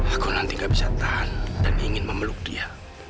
aku nanti gak bisa tahan dan ingin memeluk dia